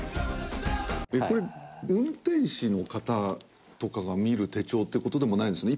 これ運転士の方とかが見る手帳って事でもないんですね？